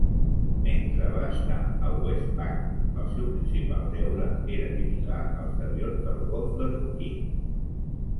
Mentre va estar a WestPac, el seu principal deure era vigilar els avions al golf de Tonquín.